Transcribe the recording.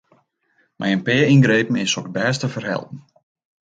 Mei in pear yngrepen is soks bêst te ferhelpen.